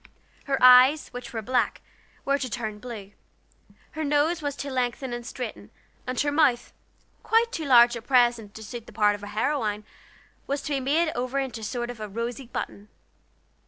Her eyes, which were black, were to turn blue; her nose was to lengthen and straighten, and her mouth, quite too large at present to suit the part of a heroine, was to be made over into a sort of rosy button.